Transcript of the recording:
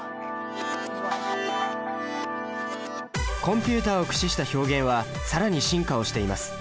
コンピュータを駆使した表現はさらに進化をしています。